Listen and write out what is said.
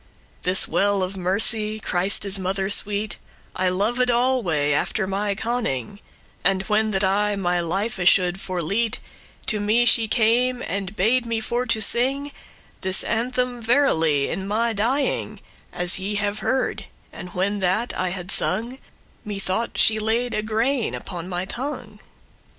"This well* of mercy, Christe's mother sweet, *fountain I loved alway, after my conning:* *knowledge And when that I my life should forlete,* *leave To me she came, and bade me for to sing This anthem verily in my dying, As ye have heard; and, when that I had sung, Me thought she laid a grain upon my tongue.